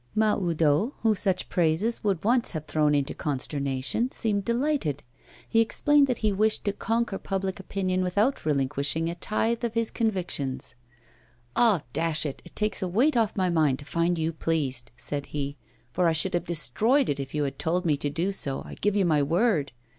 Mahoudeau, whom such praises would once have thrown into consternation, seemed delighted. He explained that he wished to conquer public opinion without relinquishing a tithe of his convictions. 'Ah! dash it! it takes a weight off my mind to find you pleased,' said he, 'for I should have destroyed it if you had told me to do so, I give you my word!